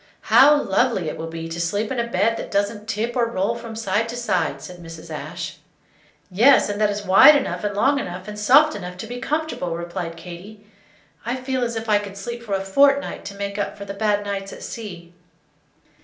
"How lovely it will be to sleep in a bed that doesn't tip or roll from side to side!" said Mrs. Ashe. "Yes, and that is wide enough and long enough and soft enough to be comfortable!" replied Katy. "I feel as if I could sleep for a fortnight to make up for the bad nights at sea."